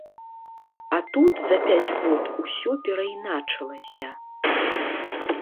А тут за пяць год усё перайначылася.